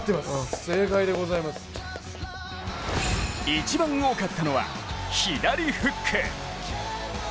一番多かったのは、左フック。